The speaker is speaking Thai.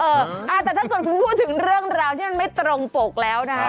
แต่ถ้าเกิดคุณพูดถึงเรื่องราวที่มันไม่ตรงปกแล้วนะฮะ